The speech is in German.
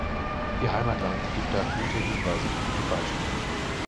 Ihr Heimatland gibt da gute Hinweise und gute Beispiele.